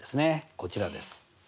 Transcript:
こちらです。